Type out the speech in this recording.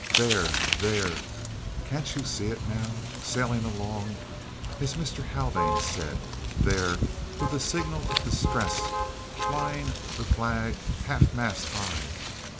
"There there, can't you see it now? sailing along as Mister Haldane said, there with a a signal of distress flying the flag half mast high!